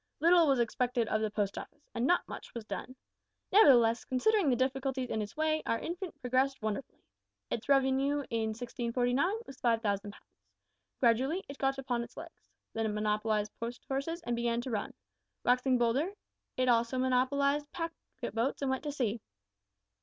Little was expected of the Post Office, and not much was done. Nevertheless, considering the difficulties in its way, our infant progressed wonderfully. Its revenue in 1649 was 5000 pounds. Gradually it got upon its legs. Then it monopolised post horses and began to run. Waxing bolder, it also monopolised packet boats and went to sea.